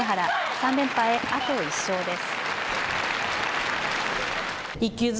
３連覇へあと１勝です。